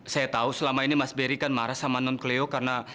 saya tahu selama ini mas berry kan marah sama non cleo karena